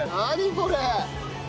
これ！